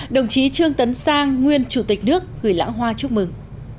đồng chí trương tấn sang nguyên chủ tịch nước gửi lãng hoa chúc mừng